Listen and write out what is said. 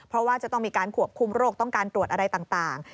เพราะว่าจะต้องมีการควบคุมโรคต้องการตรวจอะไรต่าง